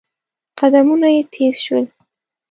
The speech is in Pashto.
قدمونه يې تېز شول.